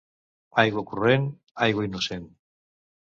Aigua corrent, aigua innocent.